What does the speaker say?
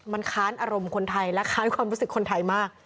มันค้านอารมณ์คนไทยและค้านความรู้สึกคนไทยมาก